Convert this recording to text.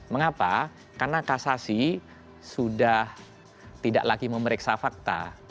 mengapa karena kasasi sudah tidak lagi memeriksa fakta